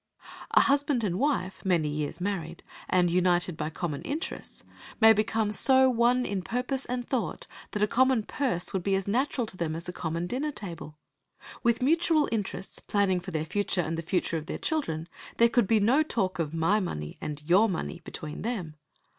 A husband and wife many years married, and united by common interests, may become so one in purpose and thought that a common purse would be as natural to them as a common dinner table. With mutual interests, planning for their future and the future of their children, there could be no talk of "My money" and "Your money" between them.